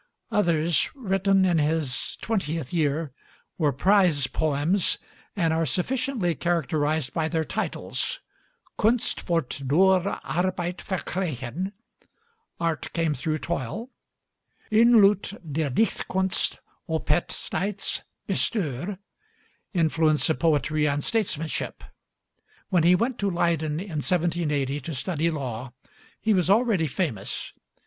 Others, written in his twentieth year, were prize poems, and are sufficiently characterized by their titles: 'Kunst wordt door Arbeid verkregen' (Art came through Toil), and 'Inloed der Dichthunst op het Staets bestuur' (Influence of Poetry on Statesmanship). When he went to Leyden in 1780 to study law, he was already famous.